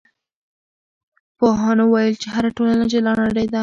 پوهانو وویل چې هره ټولنه جلا نړۍ ده.